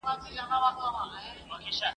جهاني اوس دي سندري لکه ساندي پر زړه اوري !.